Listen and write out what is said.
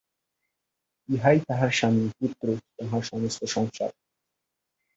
ইহাই তাঁহার স্বামী, পুত্র, তাঁহার সমস্ত সংসার।